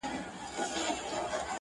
پلټنه د کور دننه پيل کيږي,